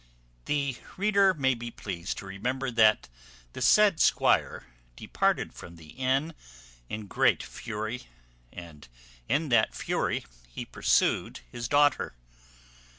The reader may be pleased to remember that the said squire departed from the inn in great fury, and in that fury he pursued his daughter.